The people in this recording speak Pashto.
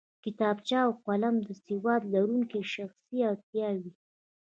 کتابچه او قلم د سواد لرونکی شخص اړتیا وي